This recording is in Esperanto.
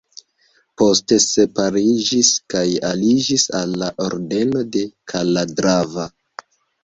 Poste separiĝis kaj aliĝis al la Ordeno de Kalatrava.